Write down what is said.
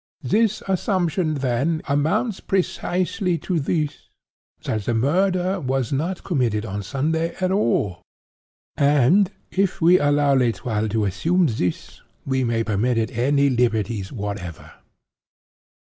This assumption, then, amounts precisely to this—that the murder was not committed on Sunday at all—and, if we allow L'Etoile to assume this, we may permit it any liberties whatever.